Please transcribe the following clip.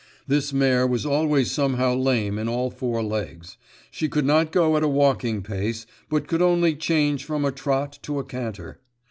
This mare was always somehow lame in all four legs; she could not go at a walking pace, but could only change from a trot to a canter.